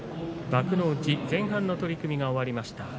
幕内前半の取組が終わりました。